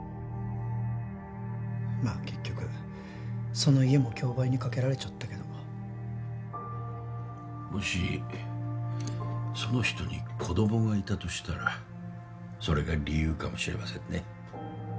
まあ結局その家も競売にかけられちゃったけどもしその人に子供がいたとしたらそれが理由かもしれませんね